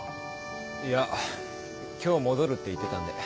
いや今日戻るって言ってたんで。